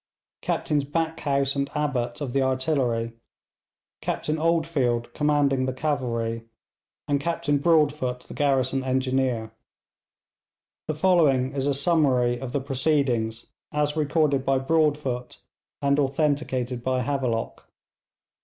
Captains Backhouse and Abbott of the artillery, Captain Oldfield commanding the cavalry, and Captain Broadfoot the garrison engineer. The following is a summary of the proceedings, as recorded by Broadfoot and authenticated by Havelock.